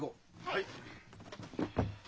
はい。